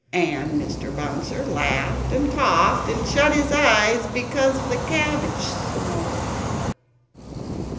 And Mr. Bouncer laughed and coughed, and shut his eyes because of the cabbage smoke